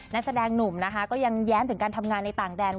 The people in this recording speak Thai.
นักแสดงหนุ่มนะคะก็ยังแย้มถึงการทำงานในต่างแดน